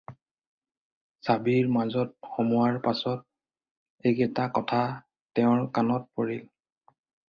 হাবিৰ মাজত সোমোৱাৰ পাচত এইকেইটা কথা তেওঁৰ কাণত পৰিল।